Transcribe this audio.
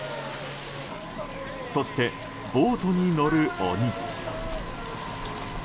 そして、ボートに乗る鬼。